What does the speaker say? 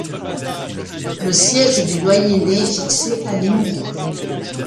Le siège du doyenné est fixé à Limours.